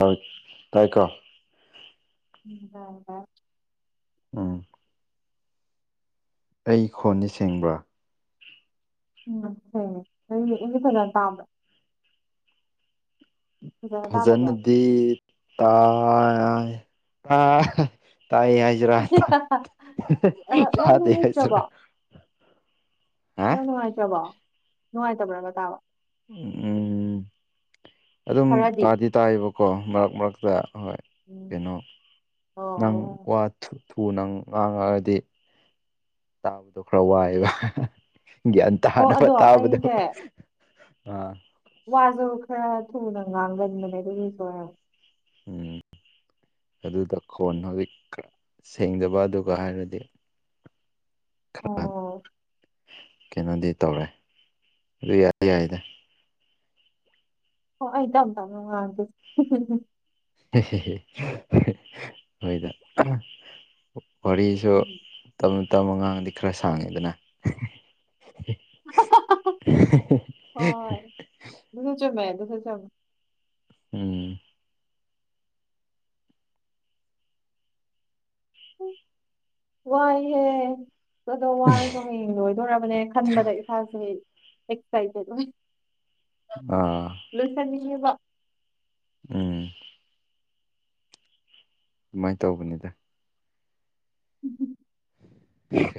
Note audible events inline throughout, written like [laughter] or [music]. hut ꯇꯥꯢꯀꯣ [unintelligible] ꯎꯝ ꯑꯩ ꯈꯣꯟꯗꯤ ꯁꯦꯡꯕ꯭ꯔꯥ ꯎꯝ [unintelligible] ꯑꯩꯗꯤ ꯐꯖꯅ ꯇꯥꯕꯔꯥ ꯐꯖꯅ ꯇꯥꯗꯕ꯭ꯔꯣ ꯐꯖꯅꯗꯤ ꯇꯥꯢ ꯇꯥꯏ ꯇꯥꯏ ꯍꯥꯢ ꯒꯦꯔꯥ ꯑ ꯌꯥꯝ ꯇꯥꯗꯦ ꯅꯨꯡꯉꯥꯏꯇ꯭ꯔꯕꯣ ꯍꯥꯢꯁꯤꯔ ꯌꯥꯝ ꯅꯨꯡꯉꯥꯢꯇ꯭ꯔꯕꯣ ꯅꯨꯡꯉꯥꯏꯇꯕ꯭ꯔꯕ ꯇꯥꯕ ꯎꯝ ꯑꯗꯨꯝ ꯈꯔꯗꯤ ꯇꯥꯗꯤ ꯇꯥꯢꯕꯀꯣ ꯃꯔꯛ ꯃꯔꯛꯇ ꯍꯣꯢ ꯎꯝ ꯀꯩꯅꯣ ꯅꯪ ꯑꯣ ꯋꯥ ꯊꯨ ꯊꯨꯅ ꯉꯥꯡꯉꯛꯑꯗꯤ ꯇꯥꯕꯗꯣ ꯈꯔ ꯋꯥꯢꯕ ꯒ꯭ꯌꯥꯟ ꯑꯣ ꯑꯣ ꯇꯥꯅꯕ ꯑꯗꯣ ꯇꯥꯕꯗꯕ ꯑꯩꯁꯦ ꯑ ꯋꯥꯁꯨ ꯈꯔ ꯊꯨꯅ ꯉꯥꯡꯒꯟꯕꯅꯦ ꯑꯗꯨꯒꯤꯁꯨꯔ ꯎꯝ [inaudible] ꯑꯗꯨꯗ ꯈꯣꯟ ꯍꯧꯖꯤꯛ ꯈ ꯁꯦꯡꯗꯕ ꯑꯗꯨꯒ ꯍꯥꯏꯔꯗꯤ ꯈꯔ ꯑꯣ ꯀꯩꯅꯣꯗꯤ ꯇꯧꯔꯦ ꯑꯗꯨ ꯌꯥꯏ ꯌꯥꯏꯗ ꯍꯣ ꯑꯩ ꯇꯝ ꯇꯞꯅ ꯉꯥꯡꯉꯛꯀꯦꯁꯦ ꯍꯣꯏꯗ ꯋꯥꯔꯤꯁꯨ ꯇꯞꯅ ꯇꯞ ꯑꯉꯥꯡꯗꯤ ꯈꯔ ꯁꯥꯡꯉꯦꯗꯅ [inaudible] ꯑꯗꯨꯁ ꯆꯨꯝꯃꯦ ꯑꯗꯨꯁꯨ ꯆꯨꯝ ꯎꯝ ꯋꯥꯏꯍꯦ ꯀꯗꯣ ꯋꯥꯔꯁꯣ ꯍꯌꯦꯡ ꯂꯣꯏꯗꯣꯔꯔꯕꯅꯦ ꯈꯟꯕꯗ ꯏꯁꯥꯁꯦ ꯑꯦꯛꯁꯥꯏꯇꯦꯠ ꯑ ꯂꯣꯏꯁꯟꯅꯤꯡꯉꯤꯕ ꯎꯝ ꯑꯗꯨꯃꯥꯏꯅ ꯇꯧꯕꯅꯤꯗ ꯎꯝ [unintelligible]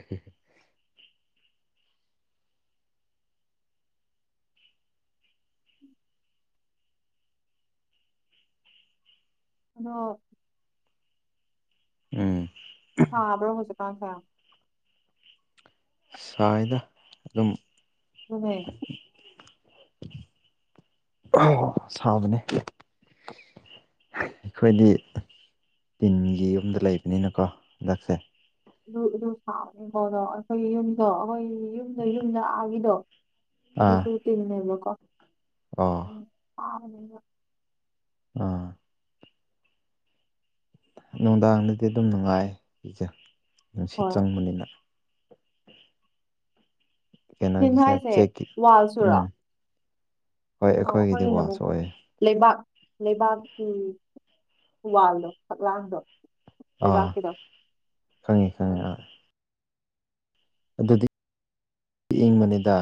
ꯅꯣ ꯎꯝ ꯇꯗ꯭ꯔꯣ ꯍꯧꯖꯤꯛ ꯀꯥꯟꯁꯦ ꯁꯥꯏꯗ ꯑꯗꯨꯝ ꯑꯗꯨꯅꯦ ꯑ ꯁꯥꯕꯅꯦ ꯑꯩꯈꯣꯏꯗꯤ ꯇꯤꯟꯒꯤ ꯌꯨꯝꯗ ꯂꯩꯕꯅꯤꯅꯀꯣ ꯍꯟꯗꯛꯁꯦ ꯑꯗꯨ ꯑꯗꯨ ꯁꯥꯎꯕꯅꯤꯀꯣ ꯑꯗꯣ ꯑꯩꯈꯣꯏꯒꯤ ꯌꯨꯝꯗꯣ ꯑꯩꯈꯣꯏ ꯌꯨꯝꯗ ꯌꯨꯝꯗ ꯑꯒꯤꯗꯣ ꯑꯗꯨꯁꯨ ꯇꯤꯅꯦꯕꯣꯀꯣ ꯑ ꯍꯥꯕꯅꯦꯕ ꯑꯥ ꯅꯨꯡꯗꯥꯡꯗꯗꯤ ꯑꯗꯨꯝ ꯅꯨꯡꯉꯥꯏ ꯏꯖꯦ ꯅꯨꯡꯁꯤꯠ ꯍꯣꯏ ꯆꯪꯕꯅꯤꯅ ꯀꯩꯅꯣꯒꯤꯁꯤꯅ ꯇꯤꯟꯍꯥꯏꯁꯦ ꯆꯦꯛꯀꯤ ꯋꯥꯜ ꯁꯨꯔ ꯎꯝ ꯍꯣꯏ ꯑꯣ ꯑꯩꯈꯣꯏꯒꯤꯗꯤ ꯑꯩꯈꯣꯏꯒꯤꯅ ꯋꯥꯁꯨ ꯑꯃꯨꯛ ꯑꯣꯏꯌꯦ ꯂꯩꯕꯥꯛ ꯂꯩꯕꯥꯛꯀꯤ ꯎ ꯋꯥꯜꯗꯣ ꯐꯛꯂꯥꯡꯗꯣ ꯑꯥ ꯂꯩꯕꯥꯛꯀꯤꯗꯣ ꯈꯪꯉꯤ ꯈꯪꯉꯤ ꯑꯥ ꯑꯗꯨꯗꯤ ꯀꯦꯡꯕꯅꯤꯗ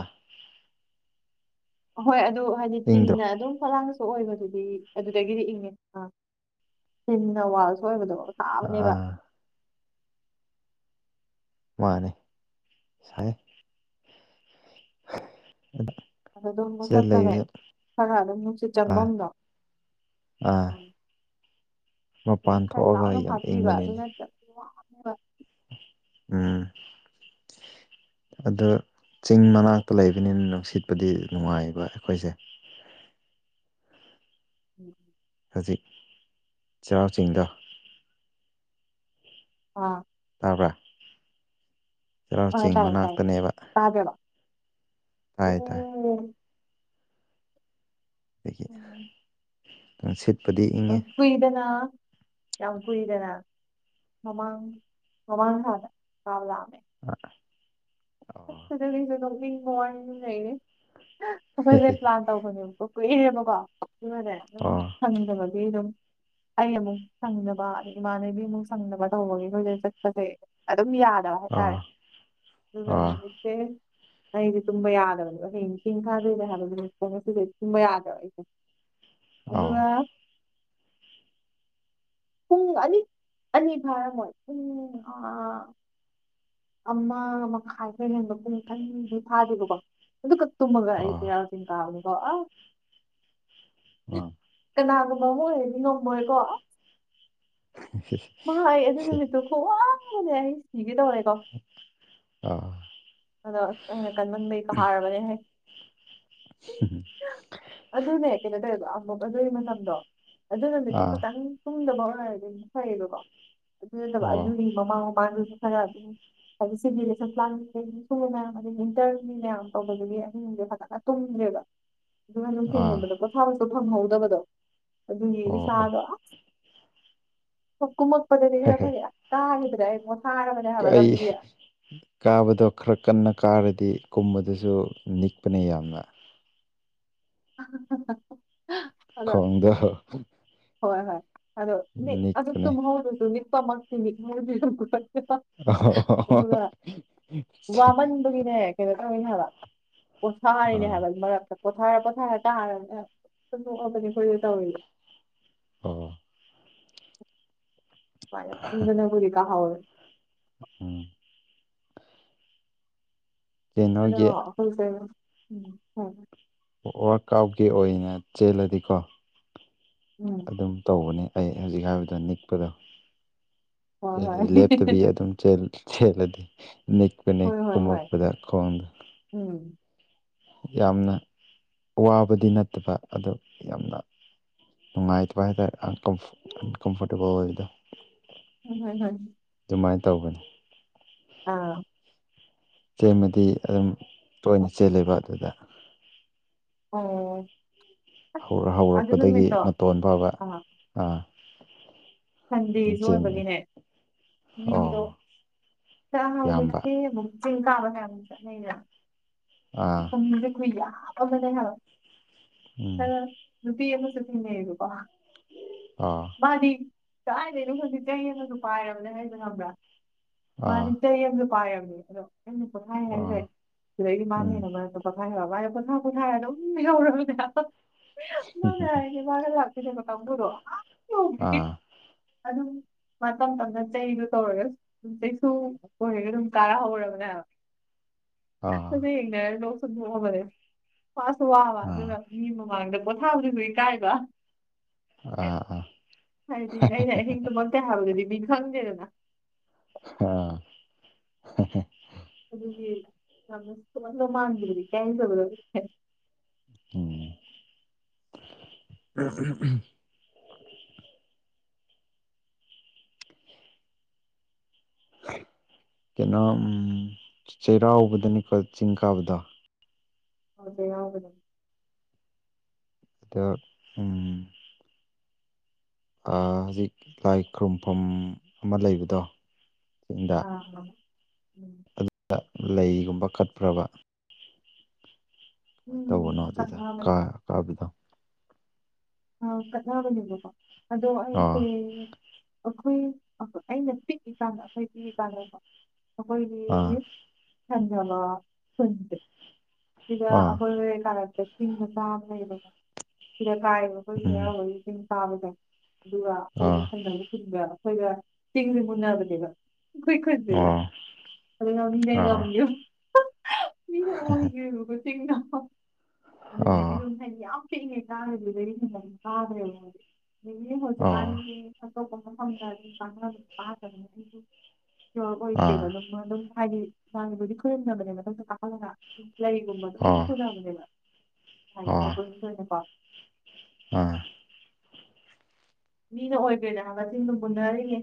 ꯍꯣꯏ ꯑꯗꯨ ꯍꯥꯏꯗꯤ ꯏꯪꯗ꯭ꯔꯣ ꯇꯤꯟꯅ ꯑꯗꯨꯝ ꯐꯛꯂꯥꯡ ꯑꯣꯏꯕꯗꯨꯗꯤ ꯑꯗꯨꯗꯒꯤꯗꯤ ꯏꯪꯉꯦ ꯅ ꯇꯤꯟꯅ ꯋꯥꯜꯁꯨ ꯑꯣꯏꯕꯗꯣ ꯊꯥꯕꯅꯦꯕ ꯑꯥ ꯃꯥꯅꯦ ꯁꯥꯏꯌꯦ ꯑꯗ ꯑꯗꯨꯗꯨꯝ ꯃꯊꯛꯇꯅꯦ ꯈꯔ ꯑꯗꯨꯝ ꯅꯨꯡꯁꯤꯠ ꯑꯥ ꯆꯪꯕꯝꯗꯣ ꯑꯥ ꯎꯝ ꯃꯄꯥꯟ ꯊꯣꯛꯑꯒ ꯂꯥꯎꯅ ꯌꯥꯝ ꯐꯥꯕꯤꯕ ꯑꯗꯨ ꯏꯪꯕꯅꯤꯅꯦ ꯅꯠꯇ꯭ꯔꯒꯗꯤ ꯋꯥꯅꯦꯕ ꯎꯝ [inaudible] ꯑꯗꯣ ꯆꯤꯡ ꯃꯅꯥꯛꯇ ꯂꯩꯕꯅꯤꯅ ꯅꯨꯡꯁꯤꯠꯄꯨꯗꯤ ꯅꯨꯡꯉꯥꯏꯕ ꯑꯩꯈꯣꯏꯁꯦ ꯎꯝ ꯍꯧꯖꯤꯛ ꯆꯩꯔꯥꯎ ꯆꯤꯡꯗꯣ ꯑꯥ ꯇꯥꯕ꯭ꯔꯥ ꯆꯩꯔꯥꯎ ꯑ ꯆꯤꯡ ꯇꯥꯏꯌꯦ ꯇꯥꯏꯌꯦ ꯃꯅꯥꯛꯇꯅꯦꯕ ꯇꯥꯒꯦꯔꯣ ꯇꯥꯏ ꯇꯥꯏ ꯎꯝ ꯑꯗꯒꯤ ꯎꯝ ꯅꯨꯡꯁꯤꯠꯄꯨꯗꯤ ꯏꯪꯉꯦ ꯀꯨꯏꯗꯅ ꯌꯥꯝ ꯀꯨꯏꯗꯅ ꯃꯃꯥꯡ ꯃꯃꯥꯡ ꯊꯥꯗ ꯆꯥꯕ ꯂꯥꯛꯑꯝꯃꯦ ꯑ ꯑꯗꯨꯒꯤꯖꯨ ꯅꯣꯛꯅꯤꯡꯕ ꯋꯥꯔꯤ ꯑꯃ ꯂꯩꯔꯦ ꯑꯩꯈꯣꯏꯖꯦ ꯀꯂ꯭ꯥꯁ ꯇꯧꯕꯅꯦꯕꯀꯣ ꯀꯨꯏꯔꯒꯦꯕꯀꯣ ꯑꯗꯨꯒꯅꯦ ꯑꯗꯨꯝ ꯑꯣ ꯁꯪꯗꯕꯒꯤ ꯑꯗꯨꯝ ꯑꯩ ꯑꯃꯨꯛ ꯁꯪꯅꯕ ꯑꯗꯩ ꯏꯃꯥꯟꯅꯕꯤ ꯑꯃꯨꯛ ꯁꯪꯅꯕ ꯇꯧꯕꯒꯤ ꯑꯩꯈꯣꯏꯁꯦ ꯆꯠꯄꯁꯦ ꯑꯗꯨꯝ ꯌꯥꯗꯕ ꯑꯣ ꯍꯥꯏꯇꯥꯔꯦ ꯑꯗꯨꯒ ꯅꯨꯃꯤꯠꯁꯦ ꯑꯩꯖꯦ ꯇꯨꯝꯕ ꯌꯥꯗꯕꯅꯦꯕ ꯍꯌꯦꯡ ꯆꯤꯡ ꯀꯥꯗꯣꯏꯅꯦ ꯍꯥꯏꯕ ꯅꯨꯃꯤꯠꯇꯣ ꯉꯁꯤꯗꯩ ꯇꯨꯝꯕ ꯌꯥꯗ꯭ꯔꯕ ꯑꯩꯁꯦ ꯑꯣ ꯑꯗꯨꯒ ꯄꯨꯡ ꯑꯅꯤ ꯑꯅꯤ ꯐꯥꯔꯝꯃꯣꯏ ꯄꯨꯡ ꯑ ꯑꯃ ꯃꯈꯥꯏ ꯈꯔ ꯍꯦꯟꯕ ꯄꯨꯡ ꯑꯅꯤꯗꯤ ꯐꯥꯗꯦꯕꯀꯣ ꯑꯗꯨꯈꯛ ꯇꯨꯝꯃꯒ ꯑꯩꯁ ꯆꯤꯡꯀꯥꯕꯅꯤꯀꯣ ꯑ ꯑꯣ ꯑꯥ ꯀꯅꯥꯅ ꯕꯥꯃꯣꯏ ꯍꯣꯏꯗꯤ ꯉꯝꯃꯣꯏꯀꯣ ꯑ [unintelligible] ꯃꯥꯥ ꯑꯩ ꯑꯗꯨ ꯅꯨꯃꯤꯠꯇꯨ ꯈꯨꯋꯥ ꯑꯃꯅꯦ ꯑꯩ ꯁꯤꯒꯦ ꯇꯧꯔꯦꯀꯣ ꯑ ꯑꯗꯣ ꯑꯩꯅ ꯀꯟꯃꯟꯕꯩ ꯀꯥꯔꯕꯅꯦꯍꯦ ꯍꯨꯝꯍꯨꯝ ꯑꯗꯨꯅꯦ ꯀꯩꯅꯣ ꯇꯧꯋꯦꯕ ꯑꯃꯨꯛ ꯑꯗꯨꯒꯤ ꯃꯇꯝꯗꯣ ꯑꯗꯨ ꯅꯨꯃꯤꯠꯇꯨ ꯑꯥ ꯈꯇꯪ ꯇꯨꯝꯗꯕ ꯑꯣꯏꯔꯗꯤ ꯃꯨꯛ ꯐꯩꯌꯦꯕꯀꯣ ꯑꯗꯨ ꯅꯠꯇꯕ ꯑꯣ ꯑꯗꯨꯒꯤ ꯃꯃꯥꯡ ꯃꯃꯥꯡꯗꯖꯨ ꯈꯔ ꯑꯗꯨꯝ ꯍꯥꯏꯗꯤ ꯁꯤꯒꯤ ꯔꯦꯁꯟ ꯄ꯭ꯂꯥꯟꯁꯤꯗꯩꯒꯤ ꯈꯨꯅꯨ ꯃꯌꯥꯝ ꯑꯗꯒꯤ ꯏꯟꯇ꯭ꯔꯟꯒꯤ ꯃꯌꯥꯝ ꯇꯧꯕꯗꯒꯤ ꯑꯍꯤꯡꯁꯦ ꯐꯖꯅ ꯇꯨꯝꯗ꯭ꯔꯦꯕ ꯑꯗꯨꯒ ꯑꯥ ꯅꯨꯡꯊꯤꯟꯜꯒꯨꯝꯕꯗ ꯄꯣꯊꯥꯕ ꯐꯪꯍꯧꯗꯕꯗꯣ ꯑꯗꯨꯒꯤ ꯑꯣ ꯏꯁꯥꯗ ꯑꯣ ꯑꯁ ꯀꯨꯝꯃꯛꯄꯗꯗꯤ ꯈꯔ ꯐꯩꯌꯦ ꯀꯥꯕꯗꯗꯤ ꯑꯩ ꯄꯣꯊꯥꯔꯕꯅꯦ ꯍꯥꯏꯕ ꯀꯩ ꯂꯝꯕꯤꯗ ꯀꯥꯕꯗꯣ ꯈꯔ ꯀꯟꯅ ꯀꯥꯔꯗꯤ ꯀꯨꯝꯕꯗꯨꯁꯨ ꯅꯤꯛꯄꯅꯦ ꯌꯥꯝꯅ [unintelligible] ꯈꯣꯡꯗꯦ ꯍꯣꯏ ꯍꯣꯏ ꯑꯗꯣ ꯃꯤꯠ ꯑꯗꯣ ꯅꯤꯛꯄꯅꯦ ꯇꯨꯝꯍꯧꯗ꯭ꯔꯁꯨ ꯅꯤꯛꯄꯃꯛꯇꯤ ꯅꯤꯛꯍꯧꯗ꯭ꯔꯦꯀꯣ ꯑꯗꯨꯒ ꯋꯥꯃꯟꯕꯒꯤꯅꯦ ꯀꯩꯅꯣ ꯇꯧꯔꯤꯅꯦ ꯍꯥꯏꯕ ꯄꯣꯠꯊꯥꯔꯤꯅꯦ ꯑꯥ ꯍꯥꯏꯕ ꯃꯔꯛꯇ ꯄꯣꯊꯥꯔ ꯄꯣꯊꯥꯔ ꯀꯥꯔꯕꯅꯦ ꯑꯦ ꯍꯦꯛꯇ ꯅꯣꯛꯑꯕꯅꯦ ꯑꯩꯈꯣꯏꯁꯦ ꯇꯧꯔꯤꯁꯦ ꯑꯣ ꯑꯃꯥꯏꯅ ꯀꯨꯝꯗꯅꯕꯨꯗꯤ ꯀꯥꯍꯧꯋꯦ ꯎꯝ ꯑꯗꯣ ꯀꯩꯅꯣꯒꯤ ꯑꯩꯈꯣꯏꯖꯦ ꯎꯝ ꯍꯣ ꯋꯥꯔꯛ ꯑꯥꯎꯠꯀꯤ ꯑꯣꯏꯅ ꯆꯦꯜꯂꯗꯤꯀꯣ ꯎꯝ ꯑꯗꯨꯝ ꯇꯧꯕꯅꯤ ꯑꯩ ꯍꯧꯖꯤꯛ ꯍꯥꯏꯕꯗ ꯅꯤꯛꯄꯗꯣ ꯍꯣꯏ ꯍꯣꯏ ꯂꯦꯞꯇꯕꯤ ꯑꯗꯨꯝ ꯆꯦꯜꯂꯦ ꯆꯦꯜꯂꯗꯤ ꯅꯤꯛꯄꯅꯦ ꯍꯣꯏ ꯍꯣꯏ ꯍꯣꯏ ꯀꯃꯛꯄꯗ ꯈꯣꯡꯗꯣ ꯎꯝ ꯌꯥꯝꯅ ꯋꯥꯕꯗꯤ ꯅꯠꯇꯕ ꯑꯗꯣ ꯌꯥꯝꯅ ꯅꯨꯡꯉꯥꯏꯇꯕ ꯍꯥꯏꯇꯥꯔꯦ ꯑꯟꯀꯝꯐꯣꯔꯇꯦꯕꯜ ꯑꯣꯏꯕꯗꯣ ꯍꯣꯏ ꯍꯣꯏ ꯍꯣꯏ ꯑꯗꯨꯃꯥꯏꯅ ꯇꯧꯕꯅꯦ ꯑꯧ ꯆꯦꯟꯕꯗꯤ ꯑꯗꯨꯝ ꯇꯣꯏꯅ ꯆꯦꯜꯂꯦꯕ ꯑꯗꯨꯗ ꯑꯣ ꯑꯗꯨ ꯍꯧꯔꯛꯄꯗꯒꯤ ꯅꯨꯃꯤꯠꯇꯣ ꯃꯇꯣꯟ ꯐꯥꯎꯕ ꯑꯥ ꯑꯗꯨꯝ ꯁꯟꯗꯦꯁꯨ ꯆꯦꯟꯕꯅꯤ ꯑꯣꯏꯕꯒꯤꯅꯦ ꯃꯤꯗꯣ ꯑꯣ [unintelligible] ꯌꯥꯝꯕ ꯍꯧꯖꯤꯛꯇꯁꯤ ꯑꯃꯨꯛ ꯆꯤꯡ ꯀꯥꯕ ꯐꯅꯌꯥꯝꯅꯁꯨ ꯆꯠꯅꯩꯗꯅ ꯑꯥ ꯃꯤꯁꯦ ꯈꯨꯌꯥꯝ ꯑꯃꯅꯦ ꯎꯝ ꯍꯥꯏꯕ ꯅꯨꯄꯤ ꯑꯃꯁꯨ ꯊꯤꯅꯩꯌꯦꯕꯀꯣ ꯑꯥ ꯃꯥꯗꯤ ꯀꯥꯏꯗꯩꯅꯣ ꯈꯪꯗꯦ ꯆꯩ ꯑꯃꯁꯨ ꯄꯥꯏꯔꯕꯅ ꯍꯥꯏꯁꯦ ꯈꯪꯕ꯭ꯔꯥ ꯑꯥ ꯃꯥꯗꯤ ꯆꯩ ꯑꯃꯁꯨ ꯄꯥꯏꯔꯝꯅꯦ ꯑꯗꯣ ꯑꯩꯅ ꯄꯍꯥꯏꯍꯥꯏꯖꯦ ꯑꯥ ꯁꯤꯗꯩꯗꯤ ꯃꯥꯅꯦ ꯎꯝ ꯍꯦꯜꯂꯦ ꯃꯔꯛꯇ ꯄꯣꯊꯥꯏ ꯍꯥꯏꯕ ꯃꯥꯏꯗꯤ ꯄꯣꯊꯥ ꯄꯣꯊꯥꯔ ꯑꯗꯨꯝ ꯌꯧꯔꯕꯅꯦ ꯃꯒ ꯂꯥꯛꯃꯤꯟꯅꯕ ꯀꯥꯡꯕꯨꯗꯣ ꯑꯥ ꯌꯧꯒ꯭ꯔꯤꯅꯦ ꯑꯥ ꯑꯗꯨꯝ ꯃꯥ ꯇꯝ ꯇꯝꯅ ꯆꯩꯗꯣ ꯇꯧꯔꯒ ꯑꯗꯨꯝ ꯆꯩꯁꯨ ꯑꯣꯏꯔꯒ ꯑꯗꯨꯝ ꯇꯥꯔꯛ ꯍꯧꯔꯕꯅꯦ ꯑꯥ ꯑꯩꯈꯣꯏꯁꯦ ꯌꯦꯡꯅꯔꯒ ꯅꯣꯛꯁꯨ ꯅꯣꯛ ꯑꯕꯅꯦ ꯋꯥꯁꯨ ꯋꯥꯕ ꯑꯥ ꯑꯗꯨꯒ ꯃꯤ ꯃꯃꯥꯡꯗ ꯄꯣꯊꯥꯕꯗꯨꯁꯨ ꯏꯀꯥꯏꯕ ꯑꯥ ꯑꯥ ꯍꯥꯏꯗꯤ ꯑꯩꯅ ꯑꯍꯤꯡꯗꯨꯃꯛꯇꯦ ꯍꯥꯏꯕꯗꯨꯗꯤ ꯃꯤ ꯈꯪꯗꯦꯗꯅ ꯑꯥ ꯑꯗꯨꯒꯤ ꯌꯥꯝꯅꯨ ꯃꯥꯟꯈꯤꯕꯗꯤ ꯀꯩ ꯍꯥꯏꯗꯕꯗ ꯎꯝ ꯀꯩꯅꯣ ꯆꯩꯔꯥꯎꯕꯗꯅꯤꯀꯣ ꯆꯤꯡ ꯀꯥꯕꯗ ꯑꯗꯦ ꯌꯥꯎ ꯆꯗꯣ ꯍꯧꯖꯤꯛ ꯂꯥꯏ ꯈꯨꯔꯨꯝꯐꯝ ꯑꯃ ꯂꯩꯕꯗꯣ ꯁꯤꯡꯗ ꯑꯥ ꯎꯝ ꯑꯗꯨꯗ ꯂꯩꯒꯨꯝꯕ ꯀꯠꯄ꯭ꯔꯕ ꯀꯃꯥꯏꯅ ꯇꯧꯕꯅꯣ ꯎꯝ ꯑꯗꯨꯗ ꯀꯠꯅꯕꯅꯦ ꯀꯥꯕꯤꯗꯣ ꯀꯠꯅꯕꯅꯦꯕꯀꯣ ꯑꯗꯣ ꯑꯩꯁꯦ ꯑꯥ ꯑꯩꯈꯣꯏ ꯑꯩꯅ ꯄꯤꯛꯏꯀꯥꯟꯗ ꯑꯩꯈꯣꯏ ꯄꯤꯛꯏꯀꯥꯟꯗꯗꯣ ꯑꯩꯈꯣꯏꯒꯤ ꯑꯥ ꯆꯖꯕ ꯁꯟꯇ ꯏ ꯑꯥ ꯍꯣꯏ ꯌꯦꯅꯦ ꯆꯤꯡ ꯃꯆꯥꯥ ꯑꯃ ꯂꯩꯕꯀꯣ ꯁꯤꯗ ꯀꯥꯏꯕ ꯎꯝ ꯑꯩꯈꯣꯏꯁ ꯍꯧꯈꯣꯏꯒꯤ ꯆꯤꯡ ꯆꯥꯕꯗ ꯑꯗꯨꯒ ꯑꯩꯈꯣꯏꯒꯤ ꯑꯥ ꯊꯪꯅꯕ ꯈꯨꯟꯒ ꯑꯩꯈꯣꯏꯒ ꯆꯤꯡꯁꯦ ꯃꯨꯟꯅꯕꯅꯦꯕ ꯑꯩꯈꯣꯏ ꯈꯨꯟꯅꯤꯗꯅ ꯑꯣ ꯑꯥ ꯑꯗꯨ [unintelligible] ꯃꯤꯅ ꯑꯣꯏꯒꯦꯔꯨꯕ ꯆꯤꯡꯗꯣ ꯑꯗꯨꯗꯒꯤ ꯑꯥ ꯑꯗꯨ ꯍꯥꯏꯗꯤ ꯌꯥꯝ ꯄꯤꯛꯏꯉꯩ ꯀꯥꯒꯤꯕꯗꯒꯤ ꯍꯦꯟꯅ ꯀꯥꯈ꯭ꯔꯦꯕ ꯑꯗꯒꯤ ꯑꯥ ꯍꯧꯖꯤꯛꯀꯥꯟꯁꯦ ꯑꯇꯣꯞꯄ ꯃꯐꯝ ꯑꯗꯨꯝ ꯄꯥꯡꯝ ꯄꯥꯗꯁꯨ ꯑꯥ ꯑꯣꯏꯗ꯭ꯔꯦꯕ ꯑꯗꯨꯝ ꯑꯗꯨꯝ ꯍꯥꯏꯗꯤ ꯂꯥꯏꯕꯨꯗꯤ ꯈꯨꯣꯏꯔꯨꯝꯅꯕꯅꯦ ꯃꯊꯛꯇ ꯀꯥꯈꯠꯂꯒ ꯂꯩꯒꯨꯝꯕꯖꯨ ꯑꯥ ꯑꯗꯨꯝ ꯄꯨꯅꯕꯅꯦꯕ ꯍꯥꯏꯗꯤ ꯑꯥ ꯑꯣꯐꯔꯔꯤꯡꯒꯤ ꯑꯣꯏꯅ ꯀꯣ ꯑꯥ ꯃꯤꯅ ꯑꯣꯏꯈ꯭ꯔꯦꯗꯅ ꯆꯤꯡꯗꯣ ꯃꯨꯟꯅꯔꯤꯅꯦ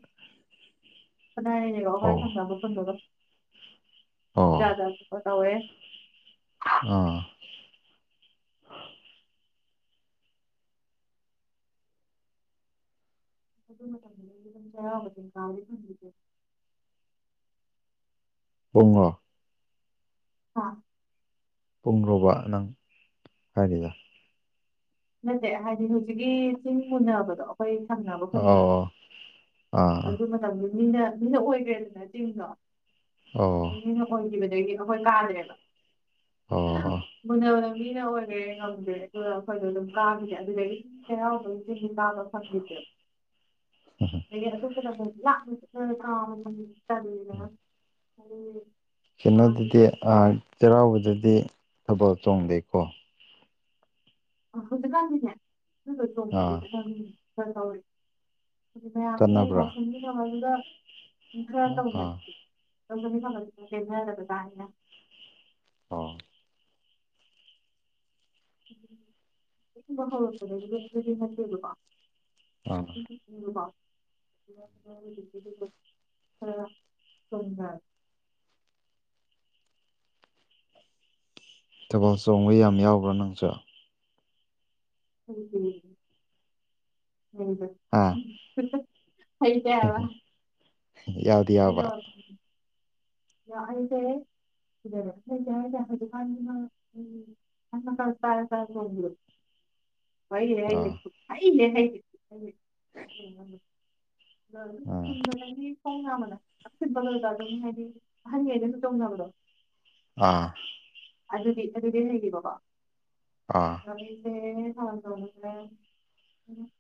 ꯈꯅꯔꯦꯅ ꯒꯥꯎ ꯍ ꯑꯣ ꯐꯪꯅꯕ ꯑꯣ ꯐꯪꯒꯖꯥꯖꯥꯄ ꯇꯧꯋꯦ ꯑ ꯌꯥ ꯀꯦ ꯉ ꯑ ꯄꯨꯡꯔꯨꯕ ꯅꯪ ꯍꯥꯏꯔꯤꯗ ꯅꯠꯇꯦ ꯍꯥꯏꯗꯤ ꯍꯧꯖꯤꯛꯀꯤ ꯆꯤꯡ ꯃꯨꯟꯅꯕꯗꯣ ꯑꯩꯈꯣꯏ ꯁꯪꯅꯕ ꯍꯨꯟꯕ ꯑꯣ ꯑꯥ ꯑꯗꯨ ꯃꯇꯝꯗ ꯃꯤꯅ ꯃꯤꯅ ꯑꯣꯏꯈ꯭ꯔꯦꯗꯅ ꯆꯤꯡꯗꯣ ꯑꯣ ꯃꯤꯅ ꯑꯣꯏꯈꯤꯕꯗꯒꯤꯗꯤ ꯑꯩꯈꯣꯏ ꯇꯥꯗ꯭ꯔꯦꯕ ꯑꯣ ꯃꯨꯟꯅꯕꯗ ꯃꯤꯅ ꯑꯣꯏꯔꯦ ꯉꯝꯗ꯭ꯔꯦ ꯑꯗꯨꯒ ꯑꯩꯈꯣꯏꯗꯣ ꯑꯗꯨꯝ ꯀꯥꯈꯤꯁꯦ ꯑꯗꯨꯗꯒꯤ ꯀꯔꯥꯎꯕ ꯒꯤ ꯇꯗ ꯐꯪꯈꯤꯗꯦꯕ ꯍ ꯍ ꯔ ꯀꯥꯅ ꯀꯩꯅꯣꯗꯗꯤ ꯆꯩꯔꯥꯎꯕꯗꯗꯤ ꯊꯕꯜ ꯆꯣꯡꯗꯦꯀꯣ ꯑ ꯍꯧꯖꯤꯛꯀꯥꯟꯗꯤꯅꯦ ꯑꯗꯨꯗ ꯆꯣꯡꯕꯒꯤ ꯑꯥ ꯈꯪ ꯈꯔ ꯇꯥꯎꯔꯤꯦ ꯑꯗꯨ ꯃ ꯆꯠꯅꯕ꯭ꯔꯥ ꯅꯁꯅ ꯍꯧꯖꯗ ꯎꯊꯔ ꯎꯔ ꯑꯥ ꯅ ꯑꯣ ꯨꯝꯕ ꯍꯧꯔꯛꯄꯗꯒꯤ ꯑꯗꯨꯗꯤ ꯑꯗꯨꯗꯤ ꯅꯠꯇꯦꯕꯀꯣ [inaudible] ꯑꯥ ꯇꯦꯕꯜ ꯆꯣꯡꯕ ꯌꯥꯝ ꯌꯥꯎꯕ꯭ꯔꯥ ꯅꯪꯁꯨ ꯎꯝ ꯑꯥ ꯎꯝ ꯍꯗ ꯌꯥꯋꯥ ꯌꯥꯎꯗ ꯌꯥꯕ ꯌꯥꯍꯣꯏꯁꯦ ꯂꯔ ꯔꯥꯟ ꯎ ꯀ ꯀꯔ ꯀꯔ ꯑꯥ [unintelligible] ꯑꯗꯨꯝ ꯑꯥ ꯆꯨꯝꯅꯗꯒꯤ ꯈꯣꯡ ꯅꯥꯝꯃꯅ ꯌꯥꯝ [unintelligible] ꯑꯗꯨꯝ ꯍꯥꯏꯗꯤ ꯑꯍꯟꯒꯩꯅꯁꯨ ꯇꯣꯡꯅꯕꯗꯣ ꯑꯥ ꯑꯗꯨꯗꯤ ꯑꯗꯨꯗꯩ ꯍꯩꯒꯤꯕꯀꯣ ꯑꯥ [unintelligible]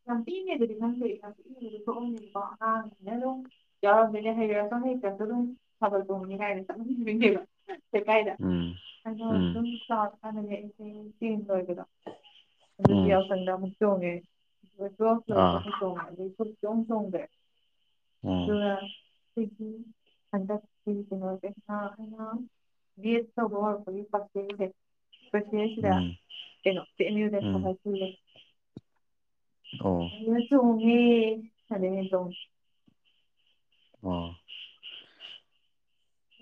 ꯌꯥꯝ ꯄꯤꯛꯏꯉꯩꯗꯗꯤ ꯈꯪꯗꯦ [unintelligible] ꯑꯉꯥꯡꯅꯤꯅ ꯑꯗꯨꯝ ꯌꯥꯎꯔꯝꯅꯤꯗꯥ ꯍꯩꯔꯁꯨ ꯍꯩꯁꯨ ꯑꯗꯨꯝ ꯊꯕꯜ ꯆꯣꯡꯉꯤꯅꯤ ꯀꯥꯏꯅ ꯂꯩꯀꯥꯏꯗ ꯎꯝ ꯑꯗꯣ ꯎꯝ ꯑꯗꯨꯝ ꯆꯥꯔꯀꯥꯟꯅꯅꯦ ꯑꯩ ꯇꯦꯟ ꯂ ꯑꯣꯏꯒꯦꯗꯥ ꯑꯗꯨꯒꯤ ꯎꯝ ꯃꯊꯪꯗ ꯑꯃꯨꯛ ꯆꯣꯡꯉꯦ ꯑꯗꯨꯒ ꯇꯨꯋꯦꯜ ꯂ ꯑꯥ ꯑꯃꯨꯛ ꯆꯣꯡꯉꯦ ꯑꯗꯨꯩ ꯐ ꯆꯣꯡ ꯆꯣꯡꯗ꯭ꯔꯦ ꯎꯝ ꯋ ꯁꯤꯒꯤ ꯍꯟꯗꯛꯁꯤ ꯀꯩꯅꯣ [unintelligible] ꯕꯤꯌꯦ ꯇꯧꯕ ꯍꯧꯔꯛ ꯎꯝ ꯎꯝ [unintelligible] ꯑꯣ ꯑꯗꯨꯗ ꯆꯣꯡꯉꯦ ꯑꯗꯩ ꯍꯦꯟꯅ ꯆꯣꯡ ꯑꯣ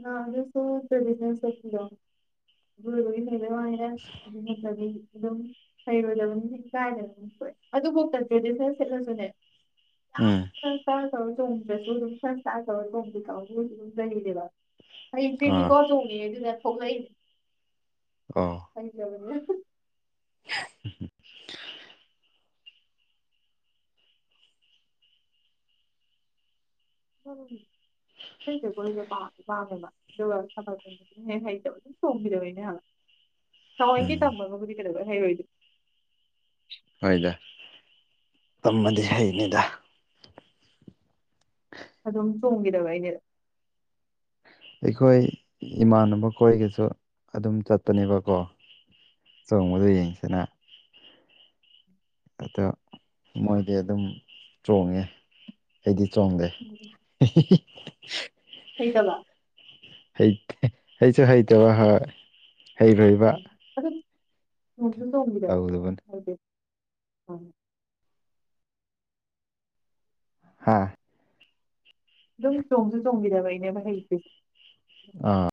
ꯅꯁꯨ ꯇꯂꯤꯂꯣ ꯅ ꯑꯗꯨ ꯆꯗꯤ ꯑꯗꯨ ꯑꯗꯨꯝ ꯍꯩꯔꯣꯏꯗꯕ ꯀꯥꯏꯗꯣꯏ ꯑꯗꯨꯐꯥꯎꯗ ꯇ꯭ꯔꯦꯗꯤꯁꯟꯜ ꯁꯦꯠꯂꯁꯨꯅꯦ ꯌꯥꯝ ꯎꯝ ꯁꯁꯇꯥ ꯇꯧꯔ ꯆꯣꯡꯗ꯭ꯔꯁꯨ ꯑꯗꯨꯝ ꯁꯪꯁꯥ ꯇꯧꯔ ꯆꯣꯡꯗ꯭ꯔꯤꯀꯥꯎꯁꯨ ꯑꯗꯨꯝ ꯂꯩꯅꯦꯕ ꯑꯥ ꯍꯩꯡꯁꯦꯅꯤꯀꯣ ꯆꯣꯡꯉꯦ ꯑꯗꯨꯅ ꯊꯣꯛꯂꯛꯏꯁꯦ ꯑ ꯊꯪꯕꯅꯦ ꯇꯦ ꯑꯣꯏꯣꯏꯗꯦ ꯄ ꯄꯥꯝꯃꯦꯕ ꯑꯗꯨꯒꯅ ꯍꯦꯛ ꯍꯩꯇꯕ ꯑꯗꯨꯝ ꯆꯣꯡꯝꯕꯤꯗꯅꯦ ꯍꯂ ꯊꯑꯣꯏꯗꯤ ꯎꯝ ꯇꯝꯃꯒꯕꯨꯗꯤ ꯀꯩꯗꯧ ꯍꯥꯏꯩꯔꯣꯏꯗꯗꯤ ꯍꯣꯏꯗ ꯇꯝꯃꯗꯤ ꯍꯩꯅꯤꯗ ꯑꯗꯨꯝ ꯆꯣꯡꯈꯤꯗꯕ ꯑꯩꯅꯦ ꯑꯩꯈꯣꯏ ꯏꯃꯥꯟꯅꯕ ꯈꯣꯏꯒꯁꯨ ꯑꯗꯨꯝ ꯆꯠꯄꯅꯦꯕꯀꯣ ꯆꯣꯡꯕꯗ ꯌꯦꯡꯁꯤꯅ ꯑꯗ ꯃꯣꯏꯗꯤ ꯑꯗꯨꯝ ꯆꯣꯡꯉꯦ ꯑꯩꯗꯤ ꯆꯣꯡꯗꯦ [unintelligible] [unintelligible] ꯊꯩꯗꯕ ꯍꯩꯇꯦ ꯍꯩꯁꯨ ꯍꯩꯇꯕ ꯍꯣꯏ ꯍꯩꯔꯣꯏꯕ ꯑꯗꯨ ꯐꯣꯟꯁꯨ ꯇꯧꯒꯤꯗꯦꯕ ꯇꯧꯗꯕꯅꯤ ꯇꯧꯗꯦ ꯎꯝ ꯍꯥꯥ ꯗꯨꯝ ꯆꯣꯡꯁꯨ ꯆꯣꯡꯒꯤꯗꯕꯩꯅꯦ ꯍꯩꯁꯦ ꯑꯥ